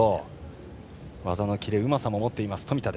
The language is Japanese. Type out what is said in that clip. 技のキレうまさも持っている冨田。